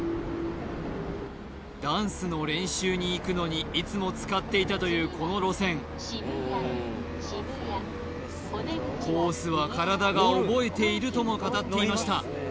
ダンスの練習に行くのにいつも使っていたというこの路線コースは体が覚えているとも語っていました